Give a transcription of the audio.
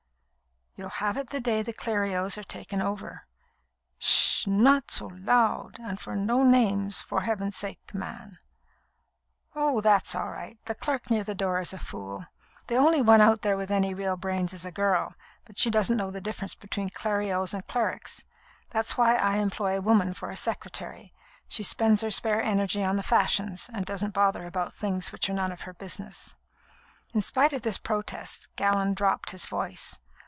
"You'll have it the day the Clerios are taken over." "'Sh! not so loud! And no names, for Heaven's sake, man!" "Oh, that's all right. The clerk near the door is a fool. The only one out there with any real brains is a girl, but she doesn't know the difference between Clerios and clerics. That's why I employ a woman for a secretary. She spends her spare energy on the fashions, and doesn't bother about things which are none of her business." In spite of this protest, Gallon dropped his voice.